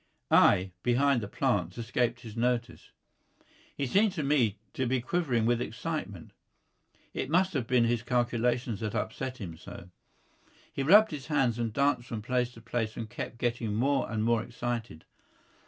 I, behind the plants, escaped his notice. He seemed to me to be quivering with excitement. It must have been his calculations that upset him so. He rubbed his hands and danced from place to place, and kept getting more and more excited.